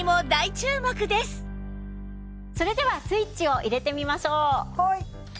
それではスイッチを入れてみましょう。